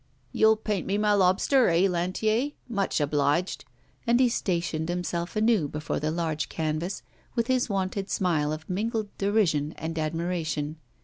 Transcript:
'You'll paint me my lobster, eh, Lantier? Much obliged.' And he stationed himself anew before the large canvas, with his wonted smile of mingled derision and admiration.